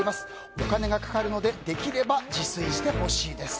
お金がかかるのでできれば自炊してほしいです。